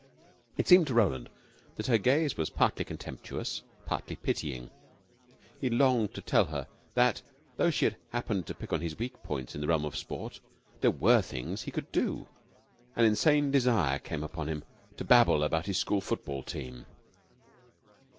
It seemed to Roland that her gaze was partly contemptuous, partly pitying. He longed to tell her that, tho she had happened to pick on his weak points in the realm of sport, there were things he could do. An insane desire came upon him to babble about his school football team.